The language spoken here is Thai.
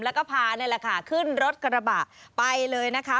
แล้วก็พานี่แหละค่ะขึ้นรถกระบะไปเลยนะคะ